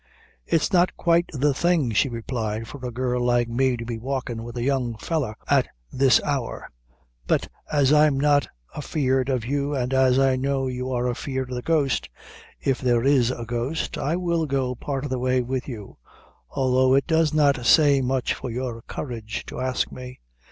"It's not quite the thing," she replied, "for a girl like me to be walkin' with a young fellow at this hour; but as I'm not afeard of you, and as I know you are afeard of the ghost if there is a ghost I will go part of the way with you, although it does not say much for your courage to ask me."